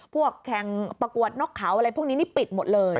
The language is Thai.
พวกแข่งประกวดนกเขาอะไรพวกนี้นี่ปิดหมดเลย